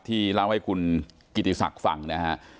ที่เล่าให้คุณกิติศักดิ์ฟังนะครับ